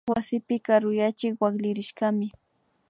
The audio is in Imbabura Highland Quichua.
Wasipi karuyachik wakllirishkami